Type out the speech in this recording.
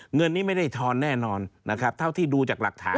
เงินนี้ไม่ได้ทอนแน่นอนนะครับเท่าที่ดูจากหลักฐาน